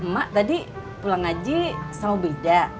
mak tadi pulang aja soal beda